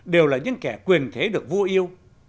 đều là những kẻ quyền thế được vua yêu